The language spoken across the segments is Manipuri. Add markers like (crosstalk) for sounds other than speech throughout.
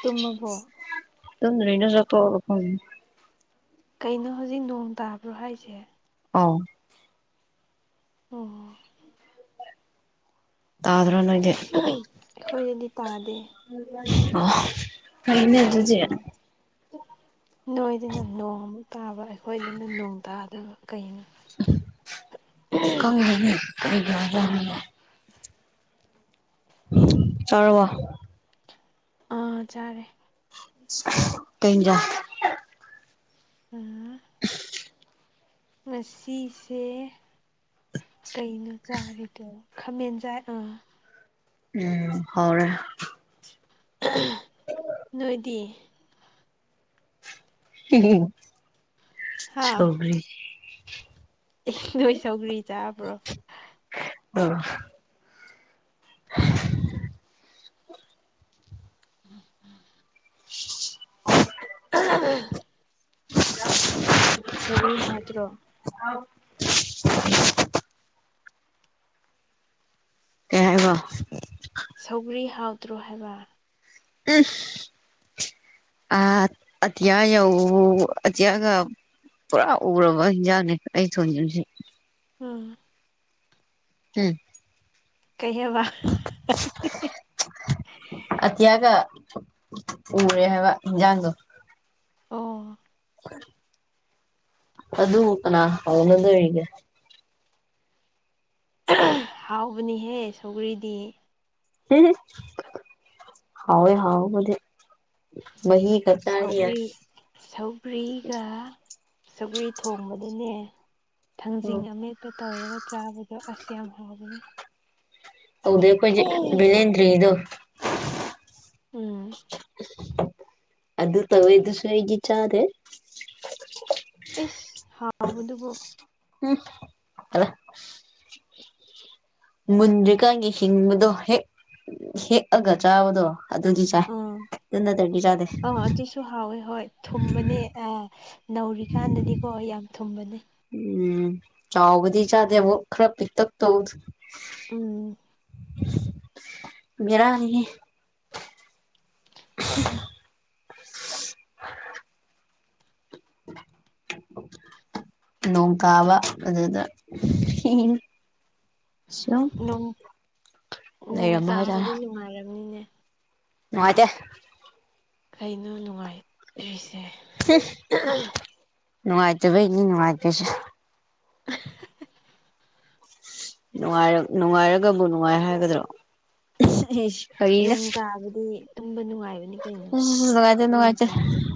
ꯇꯨꯝꯃꯕꯣ ꯇꯨꯝꯗꯔꯤꯗ ꯆꯥꯛ ꯇꯣꯛꯑꯒ ꯐꯝꯃꯤ ꯀꯩꯅꯣ ꯍꯧꯖꯤꯛ ꯅꯣꯡ ꯇꯥꯕ꯭ꯔꯣ ꯍꯥꯏꯁꯦ ꯑꯥꯎ ꯑꯣ ꯇꯥꯗꯔꯣ ꯅꯣꯢꯗꯤ ꯑꯩꯈꯣꯏꯗꯗꯤ ꯇꯥꯗꯦ ꯑꯣ ꯐꯩꯅꯦ ꯑꯗꯨꯗꯤ ꯀꯩꯒꯤꯅꯣ ꯅꯣꯏꯗꯅ ꯅꯣꯡꯃꯨꯛ ꯇꯥꯕ ꯑꯩꯈꯣꯏꯗꯅ ꯅꯣꯡ ꯇꯥꯗꯕ ꯀꯩꯅꯣ ꯎꯝ ꯈꯪꯗꯦꯗ ꯑꯩ ꯒꯌꯥꯟ ꯃꯥꯡꯉꯦ ꯅ ꯆꯔꯥꯕ ꯑꯥ ꯆꯥꯔꯦ ꯀꯩ ꯏꯟꯖꯥꯡ ꯎꯝ ꯉꯁꯤꯁꯦ ꯀꯩꯅꯣ ꯆꯥꯔꯤꯗꯣ ꯈꯥꯃꯦꯟ ꯆꯥꯏ ꯑꯥ ꯎꯝ ꯍꯥꯎꯔꯦ ꯅꯣꯏꯗꯤ ꯎꯝ ꯁꯩꯒꯔꯤ ꯑꯦ ꯅꯣꯏ ꯁꯧꯒ꯭ꯔꯤ ꯆꯥꯕ꯭ꯔꯣ ꯑꯥ (unintelligible) (unintelligible) ꯑꯥ ꯑ ꯁꯧꯒꯔꯤ ꯍꯥꯎꯇ꯭ꯔꯣ ꯑꯥꯎ ꯀꯩ ꯍꯥꯏꯕ ꯁꯧꯒ꯭ꯔꯤ ꯍꯥꯎꯗ꯭ꯔꯣ ꯍꯥꯏꯕ ꯏꯁ ꯑ ꯑꯇꯤꯌꯥ ꯌꯧ ꯑꯇꯤꯌꯥꯒ ꯄꯨꯔꯥ ꯎꯔꯕ ꯍꯤꯟꯖꯥꯡꯅꯦ ꯑꯩ ꯊꯣꯟꯖꯣꯢꯁꯦ ꯎꯝ ꯎꯝ ꯀꯩꯍꯕ ꯑꯇꯤꯌꯥꯒ ꯎꯔꯦ ꯍꯥꯏꯕ ꯌꯦꯟꯖꯥꯡꯗꯣ ꯑꯣ ꯑꯗ (unintelligible) ꯀꯅꯥꯅ ꯑꯗꯨ ꯍꯥꯎꯕꯅꯤꯍꯦ ꯁꯧꯒꯔꯤꯗꯤ ꯍꯑꯣꯏ ꯍꯑꯣꯕꯨ ꯗꯔ ꯃꯍꯤ (unintelligible) ꯁꯧꯒ꯭ꯔꯤ ꯁꯧꯒ꯭ꯔꯤꯒ ꯁꯧꯒ꯭ꯔꯤ ꯊꯣꯡꯕꯗꯅꯦ ꯎꯝ ꯊꯥꯡꯖꯤꯡ ꯑꯃꯦꯠ ꯄꯦ ꯇꯧꯔꯒ ꯆꯥꯕꯗꯣ ꯑꯁ ꯌꯥꯝ ꯍꯥꯎꯕꯅꯦ ꯍꯧꯗꯦ ꯈꯣꯢꯒꯤ ꯕꯦꯂꯟꯗ꯭ꯔꯤꯗꯣ ꯎꯝ ꯑꯗꫭ ꯇꯧꯋꯗꯨꯁꯨ ꯑꯩꯗꯤ ꯆꯥꯗꯦ ꯢꯁ ꯍꯥꯎꯕꯗꯨꯕꯨ (inaudible) ꯑꯂ ꯃꯨꯟꯗ꯭ꯔꯤꯀꯥꯟꯒꯤ ꯍꯤꯡꯕꯗꯣ ꯍꯦꯛ ꯍꯦꯛꯑꯒ ꯆꯥꯕꯗꯣ ꯑꯗꯨꯗꯤ ꯆꯥꯏ ꯑꯥ ꯑꯗꯨ ꯅꯠꯇ꯭ꯔꯗꯤ ꯆꯥꯗꯦ ꯑꯥ ꯑꯗꯨꯁꯨ ꯍꯥꯎꯋꯦ ꯍꯣꯏ ꯊꯨꯝꯕꯅꯦ ꯑꯥ ꯅꯧꯔꯤꯀꯥꯟꯗꯗꯤꯀꯣ ꯌꯥꯝ ꯊꯨꯝꯕꯅꯦ ꯎꯝ ꯆꯥꯎꯕꯗꯤ ꯆꯥꯗꯦꯕ ꯈꯔ ꯄꯤꯛꯇꯛ ꯇꯧ ꯎꯝ ꯕꯦꯔꯥꯅꯤꯍꯦ (unintelligible) (inaudible) ꯅꯣꯡ ꯀꯥꯕ ꯑꯗꯨꯗ ꯁꯌꯣ ꯅꯣꯡ ꯂꯩꯔꯝꯕ ꯍꯗꯔꯦ ꯅꯨꯡ ꯉꯥꯏꯔꯝꯅꯤꯅꯦ ꯅꯨꯉꯥꯢꯗꯦ ꯀꯩꯅꯣ ꯅꯨꯡꯉꯥꯏꯔꯤꯁꯦ ꯅꯨꯡꯉꯥꯏꯇꯕꯩꯅꯤ ꯅꯨꯡꯉꯥꯏꯇꯁꯤ (inaudible) ꯅꯨꯡꯉꯥꯏꯔ ꯅꯨꯡꯉꯥꯏꯔꯒꯕꯨ ꯅꯨꯡꯉꯥꯏ ꯍꯥꯏꯒꯗ꯭ꯔꯣ ꯀꯔꯤꯔ ꯅꯣꯡ ꯇꯥꯕꯗꯤ ꯇꯨꯝꯕ ꯅꯨꯡꯉꯥꯏꯕꯅꯤ ꯀꯩꯅꯣ ꯎ ꯅꯨꯡꯉꯥꯏꯇꯦ ꯅꯣꯡ ꯅꯨꯡꯉꯥꯏꯇꯦ ꯇꯥꯔꯗꯤ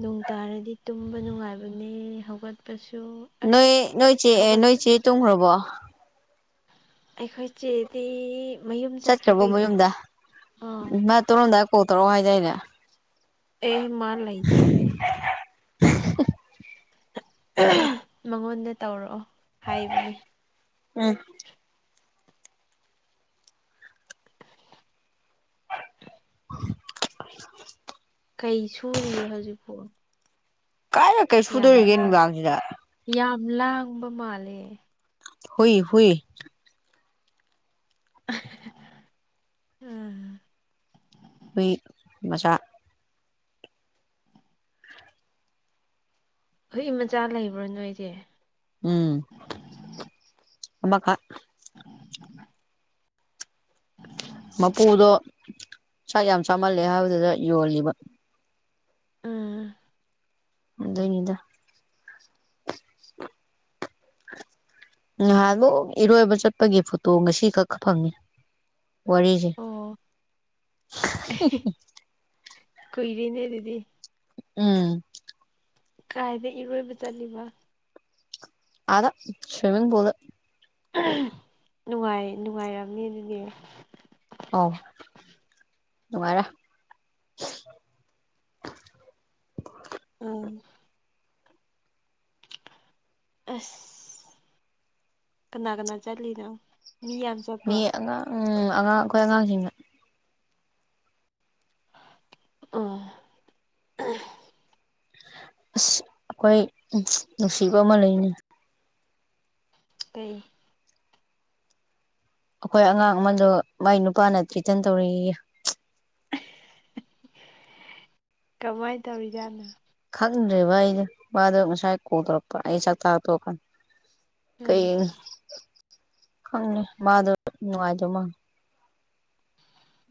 ꯅꯣꯡ ꯇꯥꯔꯗꯤ ꯇꯨꯝꯕ ꯅꯨꯡꯉꯥꯏꯕꯅꯦ ꯍꯧꯒꯠꯄꯁꯨ ꯅꯣꯏ ꯑꯁ ꯅꯣꯏ ꯆꯦ ꯑꯦ ꯅꯣꯏ ꯍꯧꯒꯠꯄ ꯆꯦ ꯇꯣꯡꯈ꯭ꯔꯕꯣ ꯑꯩꯈꯣꯏ ꯆꯦꯗꯤ ꯃꯌꯨꯝ ꯆꯠꯈ꯭ꯔꯦ ꯆꯠꯈ꯭ꯔꯕꯣ ꯀꯩꯅꯣ ꯑ ꯇꯔꯣꯝꯗꯥꯏ ꯀꯣ ꯇꯧꯔꯛꯑꯣ ꯍꯥꯏꯖꯏꯔꯅꯦ ꯑꯦ ꯃꯥ ꯂꯩꯇ꯭ꯔꯦꯍꯦ ꯃꯉꯣꯟꯗ ꯇꯧꯔꯛꯑꯣ ꯍꯥꯏꯕꯅꯦ ꯎꯝ ꯀꯩ ꯁꯨꯔꯤꯒꯦ ꯍꯧꯖꯤꯛꯄꯣ ꯀꯥꯏ ꯌꯥꯝ ꯂꯥꯡ ꯌꯥꯝ ꯂꯥꯡꯕ ꯃꯥꯜꯂꯦ ꯍꯨꯏ ꯍꯨꯏ (unintelligible) ꯍꯨꯢ ꯃꯆꯥ ꯍꯨꯏ ꯃꯆꯥ ꯂꯩꯕ꯭ꯔꯣ ꯅꯣꯏꯗꯤ ꯎꯝ ꯑꯃꯈꯛ (inaudible) ꯃꯄꯨꯗꯣ ꯆꯥꯛ ꯌꯥꯝ ꯆꯥꯃꯜꯂꯦ ꯍꯥꯏꯕꯗꯨꯗ ꯌꯣꯜꯂꯤꯕ ꯎꯝ ꯑꯗꯨꯢꯅꯤꯗ (unintelligible) ꯉꯍꯥꯗꯣ ꯏꯔꯣꯏꯕ ꯆꯠꯄꯒꯤ ꯐꯣꯇꯣ ꯉꯁꯤ ꯈꯛ ꯐꯪꯉꯤ ꯋꯥꯔꯤꯁꯦ ꯑꯣ (unintelligible) ꯀꯣꯏꯔꯤꯅꯦ ꯑꯗꯨꯗꯤ ꯎꯝ ꯀꯥꯏꯗ ꯏꯔꯣꯏꯕ ꯆꯠꯂꯤꯕ ꯑꯗ ꯁ꯭ꯋꯃꯤꯡ ꯄꯨꯜꯗꯥ ꯅꯨꯡꯉꯥꯏ ꯅꯨꯡꯉꯥꯏꯔꯝꯅꯤ ꯑꯗꯨꯗꯤ ꯑꯣ ꯅꯨꯡꯉꯥꯢꯔꯦ ꯎꯝ ꯑꯁ ꯀꯅꯥ ꯀꯅꯥ ꯆꯠꯂꯤꯅꯣ ꯃꯤ ꯌꯥꯝ ꯃꯤ ꯆꯠꯄ꯭ꯔꯣ ꯑꯉꯥꯡ ꯎꯝ ꯑꯉꯥꯡ ꯑꯩꯈꯣꯏ ꯑꯉꯥꯡꯁꯤꯡꯅ ꯑꯣ (unintelligible) ꯑꯁ ꯑꯩꯈꯣꯏ ꯅꯨꯡꯁꯤꯕ ꯑꯃ ꯂꯩꯅꯤ ꯀꯩ ꯑꯩꯈꯣꯏ ꯑꯉꯥꯡ ꯑꯃꯗꯣ ꯃꯥꯏ ꯅꯨꯄꯥꯅ ꯇ꯭ꯔꯤꯇꯟ ꯇꯧꯔꯤꯛꯏꯌꯦ (unintelligible) ꯀꯃꯥꯏ ꯇꯧꯔꯤꯖꯥꯠꯅꯣ ꯈꯪꯗ꯭ꯔꯦꯕ ꯑꯩꯗ ꯋꯥꯗꯣ ꯉꯁꯥꯏ ꯀꯣꯊꯣꯔꯛꯄ ꯑꯩ ꯆꯥꯛꯇꯥꯥꯛ ꯇꯣꯛꯅꯤ ꯎꯝ ꯀꯩ ꯈꯪꯉꯦ ꯃꯥꯗꯣ ꯅꯨꯡꯉꯥꯏꯗꯧ ꯃꯥꯜꯂꯦ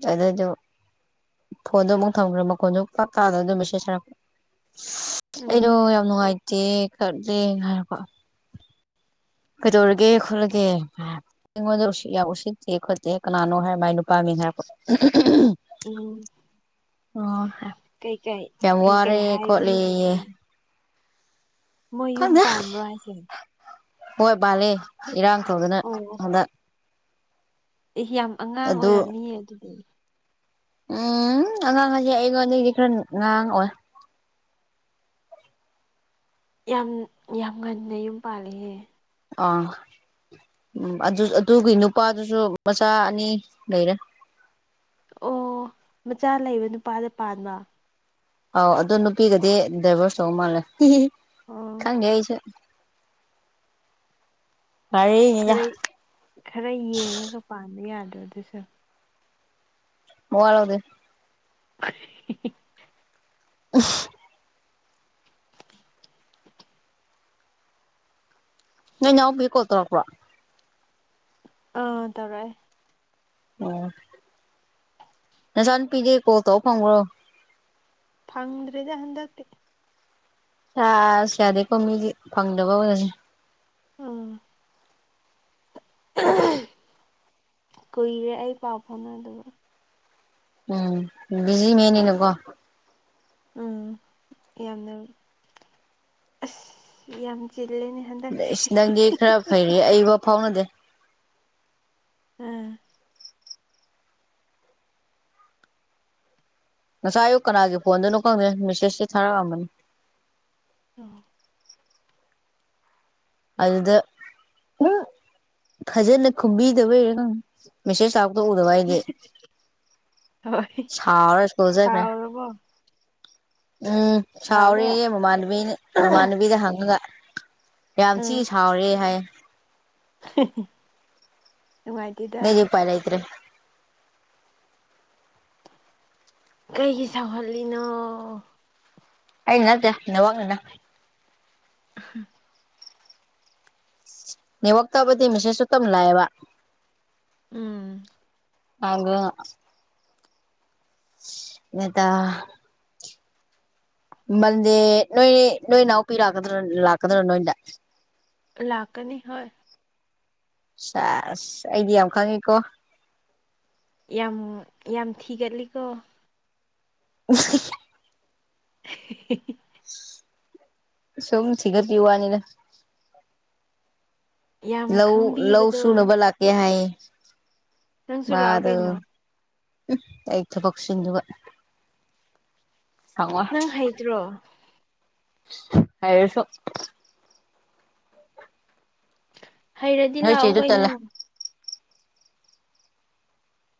ꯑꯗꯨꯗꯣ ꯐꯣꯟꯗꯣ ꯑꯃꯨꯛ ꯊꯝꯈ꯭ꯔꯦ ꯃꯈꯣꯟꯗꯨ ꯄꯥꯛꯇꯥꯥꯗꯅ ꯑꯗꯨꯝ ꯃꯦꯁꯦꯖ ꯍꯥꯏꯔꯛꯄ ꯎꯝ ꯑꯩꯗꯣ ꯌꯥꯝ ꯅꯨꯡꯉꯥꯏꯇꯦ ꯈꯔꯂꯦ ꯍꯥꯏꯔꯛꯄ ꯀꯩꯗꯧꯔꯒꯦ ꯈꯣꯠꯂꯒꯦ ꯑꯩꯉꯣꯟꯗ ꯎ ꯌꯥꯝ ꯎꯁꯤꯠꯇꯦ ꯈꯣꯠꯇꯦ ꯀꯅꯥꯅꯣ ꯍꯥꯏꯔ ꯃꯥꯏ ꯅꯨꯄꯥ ꯃꯤꯡ ꯍꯥꯏꯔꯣꯠ ꯎꯝ ꯑꯣ ꯀꯩꯀꯩ ꯌꯥꯝ ꯀꯩꯀꯩ ꯋꯥꯔꯦ ꯍꯥꯏꯕꯤꯔꯤꯒꯦ ꯈꯣꯠꯂꯦꯌꯦ ꯃꯣꯏ ꯌꯨꯝ ꯈꯪꯗꯦ ꯄꯥꯟꯕ꯭ꯔꯣ ꯍꯥꯏꯁꯦ ꯍꯣꯏ ꯄꯥꯜꯂꯦ ꯏꯔꯥꯡ ꯇꯧꯗꯅ ꯑꯣ ꯍꯟꯗꯛ ꯑꯦ ꯌꯥꯝ ꯑꯉꯥꯡ ꯑꯗꯨ ꯑꯣꯏꯔꯝꯅꯤꯌꯦ ꯑꯗꯨꯗꯤ ꯎꯝ ꯑꯉꯥꯡ ꯍꯣꯗꯤ ꯑꯩꯉꯣꯟꯗꯒꯗꯤ ꯈꯔ ꯉꯉꯥꯡꯑꯣ ꯌꯥꯝ ꯌꯥꯝ ꯉꯟꯅ ꯌꯨꯝ ꯄꯥꯜꯂꯤꯍꯦ ꯑꯥ ꯎꯝ ꯑꯗꯨ ꯑꯗꯨꯒꯤ ꯅꯨꯄꯥꯗꯨꯁꯨ ꯃꯆꯥ ꯑꯅꯤ ꯂꯩꯔꯦ ꯑꯣ ꯃꯆꯥ ꯂꯩꯕ ꯅꯨꯄꯥꯗ ꯄꯥꯟꯕ ꯑꯥꯎ ꯑꯗꯨꯗ ꯅꯨꯄꯤꯒꯗꯤ ꯗ꯭ꯔꯥꯏꯚꯔ ꯆꯧ ꯃꯥꯜꯂꯦ ꯑꯣ ꯈꯪꯒꯦ ꯑꯩꯁꯨ ꯈꯔ (unintelligible) ꯈꯔ ꯌꯦꯡꯉꯒ ꯄꯥꯟꯕ ꯌꯥꯗ꯭ꯔꯣ ꯑꯗꯨꯁꯨ ꯃꯋꯥ ꯂꯧꯗꯦ (unintelligible) ꯑꯐ ꯅꯣꯢ ꯅꯥꯎꯄꯤ ꯀꯣꯜ ꯇꯧꯔꯛꯄ꯭ꯔꯣ ꯑꯥ ꯇꯧꯔꯛꯑꯦ ꯑꯣ ꯅꯆꯥ ꯅꯨꯄꯤꯗꯤ ꯀꯣꯜ ꯇꯧ ꯐꯪꯕ꯭ꯔꯣ ꯐꯪꯗ꯭ꯔꯔꯤꯗ ꯍꯟꯗꯛꯇꯤ ꯁꯥ ꯌꯥꯗꯦꯀꯣ ꯃꯤꯗꯤ ꯐꯪꯗꯕ ꯑꯣꯏꯔꯅꯤ ꯎꯝ ꯀꯨꯏꯔꯦ ꯑꯩ ꯄꯥꯎ ꯐꯥꯎꯅꯕꯗ ꯎꯝ ꯕꯤꯖꯤ ꯃꯤꯅꯤꯅꯀꯣ ꯎꯝ ꯌꯥꯝꯅ ꯑꯁ ꯌꯥꯝ ꯆꯤꯜꯂꯦꯅꯦ ꯍꯟꯗꯛꯁꯦ ꯏꯁꯁ ꯅꯪꯒꯤ ꯈꯔ ꯐꯩꯔ ꯑꯩꯕ ꯐꯥꯎꯅꯗꯦ ꯎꯝ ꯉꯁꯥꯏ ꯑꯌꯨꯛ ꯀꯅꯥꯒꯤ ꯐꯣꯟꯗꯣꯏꯅꯣ ꯈꯪꯗꯦ ꯃꯦꯁꯦꯁ ꯊꯥꯔꯛꯑꯝꯕꯅꯤ ꯑꯝ ꯑꯗꯨꯗ ꯐꯖꯅ ꯈꯨꯝꯕꯤꯗꯕꯩꯔ ꯃꯦꯁꯦꯁ ꯇꯥ ꯎꯗꯕꯥ ꯑꯩ ꯗꯤ ꯍꯣꯏ ꯁꯥꯎꯔ ꯏꯁ꯭ꯀꯨꯜ ꯆꯠꯈꯔꯦ ꯁꯥꯎꯔꯕꯣ ꯎꯝ ꯁꯥꯎꯔꯦ ꯃꯃꯥꯟꯅꯕꯤꯅ ꯃꯃꯥꯟꯅꯕꯤꯗ ꯍꯪꯉꯒ ꯌꯥꯝ ꯊꯤ ꯎꯝ ꯁꯥꯎꯔꯦ ꯍꯥꯏ (unintelligible) ꯅꯒꯤ ꯎ ꯄꯥꯏꯜꯥꯏꯗ꯭ꯔꯦ ꯀꯩꯒꯤ ꯁꯥꯎꯍꯜꯂꯤꯅꯣ ꯑ ꯅꯠꯇ ꯅ ꯍꯅ (unintelligible) ꯋꯥꯛꯇꯕꯗꯤ ꯃꯤꯁꯁꯨꯇꯝ ꯂꯑꯦꯕ ꯎꯝ (unintelligible) (unintelligible) ꯃꯗꯤꯦ ꯅꯣꯏ ꯅꯣꯏ ꯏꯅꯥꯎꯄꯤ ꯂꯥꯛꯀꯗ꯭ꯔ ꯂꯥꯛꯀꯗ꯭ꯔꯣ ꯅꯣꯏꯗ ꯂꯥꯛꯀꯅꯤ ꯍꯣꯏ ꯁꯥꯁ ꯑꯩꯗꯤ ꯌꯥꯝ ꯈꯪꯉꯤꯀꯣ ꯌꯥꯝ ꯌꯥꯝ ꯊꯤꯒꯠꯂꯤꯀꯣ (unintelligible) (unintelligible) ꯁꯣꯝ ꯊꯒ ꯌ ꯋꯥꯅꯤꯅꯦ ꯌꯥꯝ ꯂꯧ ꯂꯧ ꯈꯪꯕꯤꯕꯗꯣ ꯁꯨꯅꯕ ꯂꯥꯛꯀꯦ ꯍꯥꯏ ꯅꯪꯁꯨ ꯂꯥꯛꯑꯣ ꯃꯔ ꯀꯩꯅꯣ ꯎꯝ ꯑꯩ ꯊꯕꯛꯁꯤꯡꯟꯗꯨꯒ (unintelligible) ꯅꯪ ꯍꯩꯇ꯭ꯔꯣ ꯍꯥꯏꯁꯨꯣ ꯍꯩꯔꯗꯤ ꯅꯣꯏ ꯂꯥꯛꯑꯣ ꯆꯦꯗꯨ ꯀꯩꯅꯣ ꯇꯜꯂꯦ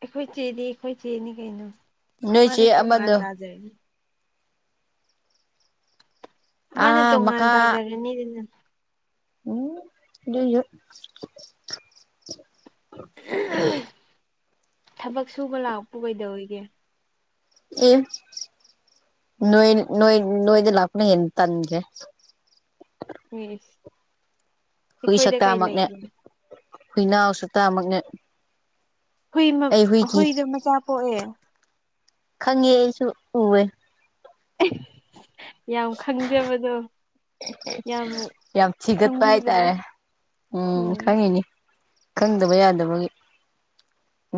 ꯑꯩꯈꯣꯏ ꯆꯦꯗꯤ ꯑꯩꯈꯣꯏ ꯆꯦꯅꯤ ꯀꯩꯅꯣ ꯅꯣꯏ ꯆꯦ ꯃꯥꯅ ꯇꯣꯉꯥꯟ ꯑꯃꯗꯣ ꯇꯥꯖꯔꯅꯤ ꯃꯥꯅ ꯑꯥ ꯇꯣꯉꯥꯟ ꯃꯈꯥ ꯇꯥꯖꯔꯅꯤꯗꯅ ꯎꯝ ꯂꯩ ꯊꯕꯛ ꯁꯨꯕ ꯂꯥꯛꯄ ꯀꯩꯗꯧꯔꯤꯒꯦ ꯑꯦ ꯅꯣꯏ ꯅꯣꯏ ꯅꯣꯏꯗ ꯂꯀꯅ ꯌꯦ ꯇꯟ꯭ꯔꯦ ꯌꯦꯁ ꯑꯩꯈꯣꯏꯗ ꯀꯩ ꯂꯩꯒꯦ ꯍꯨꯏꯅꯥꯎꯁꯨ ꯇꯃꯛꯅꯦ ꯍꯨꯏ ꯃꯧꯛ ꯍꯨꯏꯗꯣ ꯃꯆꯥ ꯄꯣꯛꯑꯦ ꯈꯪꯉꯦꯑꯩꯁꯨ ꯎꯋꯦ (inaudible) ꯌꯥꯝ ꯈꯪꯖꯕꯗꯣ ꯌꯥꯝ ꯌꯥꯝ ꯊꯤꯒꯠꯄ ꯈꯪꯕꯤꯕꯗꫭ ꯍꯥꯏꯇꯥꯔꯦ ꯎꯝ ꯈꯪꯉꯅꯤ ꯈꯪꯗꯕ ꯌꯥꯗꯕꯒꯤ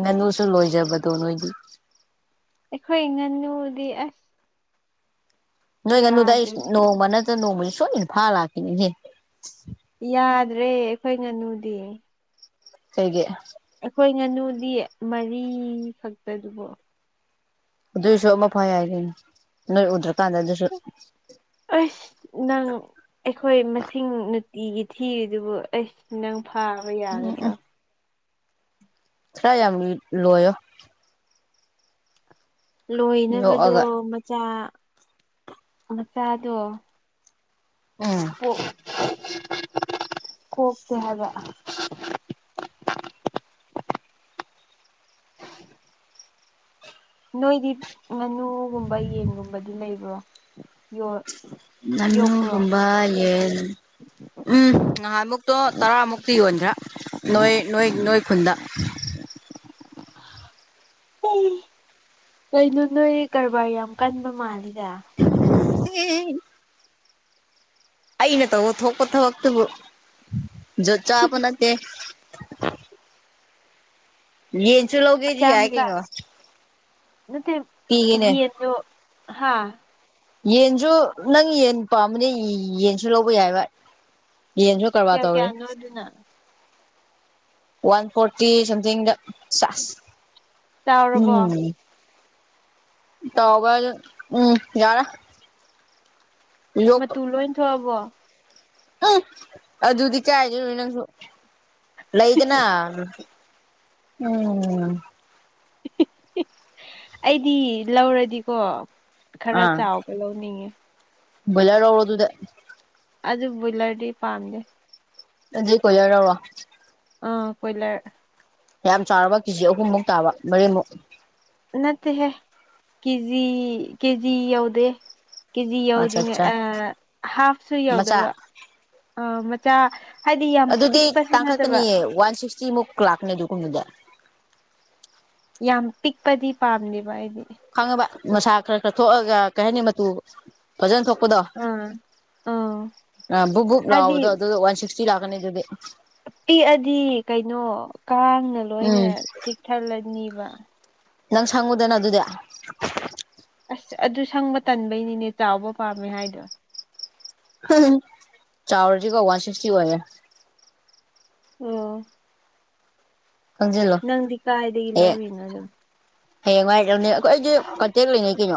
ꯎꯝ ꯂꯣꯏꯖꯕꯗꯣ ꯅꯣꯏꯗꯤ ꯑꯩꯈꯣꯏ ꯉꯥꯅꯨꯗꯤ ꯑꯁ ꯅꯣꯏ ꯉꯥꯅꯨꯗꫭ ꯑꯩ ꯌꯥꯗ꯭ꯔꯦꯗ ꯅꯣꯡꯃ ꯅꯠꯇꯅ ꯅꯣꯡꯃꯗꯤ ꯁꯣꯏꯅ ꯐꯥ ꯂꯥꯛꯈꯤꯅꯤꯅꯦ ꯌꯥꯗ꯭ꯔꯦ ꯑꯩꯈꯣꯏ ꯉꯥꯅꯨꯗꯤ ꯀꯩꯒꯤ ꯑꯩꯈꯣꯏ ꯉꯥꯅꯨꯗꯤ ꯃꯔꯤꯈꯛꯇꯗꯨꯕꯣ ꯑꯗꯨꯏꯁꯨ ꯑꯃ ꯐꯩ ꯌꯥꯏ ꯀꯩꯅꯣ ꯅꫭꯏ ꯎꯗ꯭ꯔꯀꯥꯟꯗ ꯑꯗꯨꯁꯨ ꯑꯁ ꯅꯪ ꯑꯩꯈꯣꯏ ꯃꯁꯤꯡ ꯅꯨꯡꯇꯤꯒꯤ ꯊꯤꯔꯤꯗꯨꯕꯨ ꯑꯩꯁ ꯅꯪ ꯐꯥ ꯍꫭꯏ ꯎꯝ ꯌꯥꯒꯗ꯭ꯔꯣ ꯊ꯭ꯔ ꯌꯥꯝ ꯂꯣꯏꯌꫭ ꯂꯣꯏꯅꯕꯗꯣ ꯌꯣꯛꯑꯒ ꯃꯆꯥ ꯃꯆꯥꯗꯣ ꯎꯝ ꯄꫭꯛ ꯀꯣꯛ ꯀꯨꯝꯃꯦꯕ ꯅꯣꯏꯗꯤ ꯉꯥꯅꯨꯒꯨꯝꯕ ꯌꯦꯟꯒꯨꯝꯕꯗꯤ ꯂꯩꯕ꯭ꯔꯣ ꯌꫭꯠ ꯅꯪꯨ ꯀꯨꯝꯕꯥ ꯌꯦ ꯎꯝ ꯅꯍꯥꯟꯃꯨꯛꯇꯣ ꯇꯔꯥꯃꯨꯛꯇꯤ ꯌꯣꯟꯗ꯭ꯔꯥ ꯅꯣꯏ ꯅꯣꯏ ꯅꯣꯏ ꯈꯨꯟꯗ ꯀꯩꯅꯣ ꯅꯣꯏ ꯀꯔꯕꯥꯔ ꯌꯥꯝ ꯀꯟꯕ ꯃꯥꯜꯂꯤꯗ ꯎꯝ ꯑꯩꯅ ꯇꯧꯕ ꯊꯣꯛꯄ ꯊꯕꯛꯇꯨꯕꯨ ꯖꯣꯠ ꯆꯥꯕ ꯅꯠꯇꯦ ꯌꯦꯟꯁꯨ ꯂꯧꯒꯦꯗꯤ ꯃꯆꯥ ꯌꯥꯏ ꯃꯆꯥ ꯀꯩꯩꯅꯣ ꯅꯠꯇꯦ ꯌꯦꯟꯗꫭ ꯍꯥ ꯌꯦꯟꯁꯨ ꯅꯪ ꯌꯦꯟ ꯄꯥꯝꯗꯤ ꯌꯦꯟꯁꯨ ꯂꯧꯕ ꯌꯥꯏꯕ ꯌꯦꯟꯁꯨ ꯀꯔꯕꯥꯔ ꯀꯌꯥ ꯇꯧꯔꯤ ꯀꯦꯌꯥꯅꯣꯗꯨꯅ ꯋꯥꯟ ꯐꯣꯔꯇꯤ ꯁꯝꯊ ꯗ ꯆꯥꯎꯔꯕꯣ ꯎꯝ ꯇꯥꯎꯕ ꯑꯗꯨ ꯎꯝ ꯌꯥꯔ ꯃꯇꯨ ꯂꯣꯏ ꯊꯣꯛꯑꯕꯣ ꯎꯝ ꯑꯗꯨꯗꯤ ꯀꯥꯏꯗꯩꯅꫭ ꯅꯪꯁꯨ ꯂꯩꯗꯅ ꯎꯝ ꯑꯩꯗꯤ ꯂꯧꯔꯗꯤꯀꯣ ꯈꯔ ꯆꯥꯎ ꯍꯂꯅꯤ ꯕꫭꯏꯂꯔ ꯂꯧꯔꫭ ꯑꯗꯨꯗꯤ ꯑꯗꯨ ꯕꯣꯏꯂꯔꯗꯤ ꯄꯥꯝꯗꯦ ꯑꯗꯨ ꯀꯣꯏ ꯌꯥꯔꯣ ꯑꯥ ꯀꯣꯏꯂꯔ ꯌꯥꯝ ꯆꯥꯎꯔꯕ ꯀꯦꯖꯤ ꯑꯍꯨꯝꯃꯨꯛ ꯇꯥꯕ ꯃꯔꯤꯃꯨꯛ ꯅꯠꯇꯦꯍꯦ ꯀꯦꯖꯤ ꯀꯦꯖꯤ ꯌꯎꯗꯦ ꯀꯦꯖꯤ ꯑꯠꯆꯥ ꯌꯧꯗ꯭ꯔꯤꯉꯩ ꯑꯠꯆꯥ ꯑ ꯍꯥꯐꯁꯨ ꯌꯧꯗꯕ ꯃꯆꯥ ꯑ ꯃꯆꯥ ꯍꯥꯏꯗꯤ ꯌꯥꯝ ꯑꯗꯨꯗꯤ ꯄꯤꯛꯄꯁꯨ ꯅꯠꯇꯕ ꯇꯥꯡꯈꯠꯀꯅꯤꯌꯦ ꯋꯥꯟ ꯁꯤꯛꯁꯇꯤ ꯃꯨꯛ ꯂꯥꯛꯀꯅꯤ ꯑꯗꯨꯒꯀꯨꯝꯗꯨꯗ ꯌꯥꯝ ꯄꯤꯛꯄꯗꯤ ꯄꯥꯝꯅꯦꯕ ꯍꯥꯏꯗꯤ ꯈꯪꯉꯕ ꯃꯁꯥ ꯈꯔ ꯈꯔ ꯊꯣꯛꯑꯒ ꯀꯩ ꯍꯥꯏꯅꯤ ꯃꯇꯨ ꯐꯖꯅ ꯊꯣꯛꯄꯗꯣ ꯑꯥ ꯑꯥ ꯕꯨꯛ ꯕꯨꯛ ꯍꯥꯏꯗꯤ ꯂꯥꯎꯕꯗꯣ ꯑꯗꯨ ꯋꯥꯟ ꯁꯤꯛꯁ ꯁꯤ ꯂꯥꯛꯀꯅꯤ ꯑꯗꯨꯗꯤ ꯄꯤꯛꯑꯗꯤ ꯀꯩꯅꯣ ꯀꯥꯡꯅ ꯂꯣꯏꯅ ꯎꯝ ꯆꯤꯛꯊꯜꯂꯅꯤꯕ ꯅꯪ ꯁꯪꯉꯨꯗꯅ ꯑꯗꯨꯗꯤ ꯑꯁ ꯑꯗꯨ ꯁꯪꯕ ꯇꯟꯕꯩꯅꯤꯅꯦ ꯆꯥꯎꯕ ꯄꯥꯝꯃꯦ ꯍꯥꯏꯗꯣ ꯆ ꯆꯥꯎꯔꯖꯤ ꯀ ꯋꯥꯁꯤꯤꯁ ꯀ ꯑꯣꯏ ꯑꯣ ꯈꯪꯖꯤꯜꯂꯣ ꯅꯪꯗꯤ ꯀꯥꯏꯗꯒꯤ ꯂꯧꯔꯤꯅꯣ ꯑꯗꯨꯝ ꯍꯌꯦꯡ ꯉꯏꯔꯛꯅꯦ ꯑꯩꯣꯏ ꯑꯩꯁꯗꯤ ꯀꯟꯇꯦꯛ ꯂꯩꯅꯩ ꯀꯩꯅꯣ